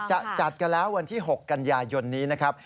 จะจัดกันแล้ววันที่๖กันยายนนี้นะครับ